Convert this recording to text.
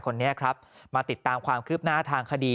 คนนี้ครับมาติดตามความคืบหน้าทางคดี